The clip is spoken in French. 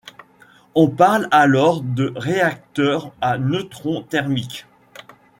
On parle alors de réacteur à neutrons thermiques.